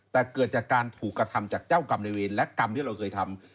แต่เกิดจากการถูกกระทำจากเจ้ากรรมในเวรและกรรมที่เราเคยทำ